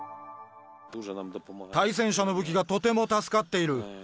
対戦車の武器がとても助かっている。